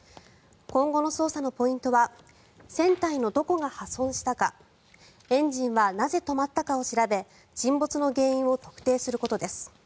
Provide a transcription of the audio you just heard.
今後の捜査のポイントは船体のどこが破損したかエンジンはなぜ止まったかを調べ沈没の原因を特定することです。